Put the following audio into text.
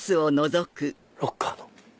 ロッカーの。